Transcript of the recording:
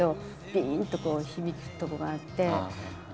ピンとこう響くとこがあって。